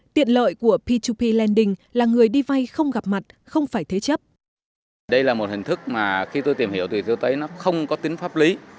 tiện lợi của p hai p lending là người đi vay không gặp mặt không phải thế chấp